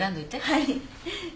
はい。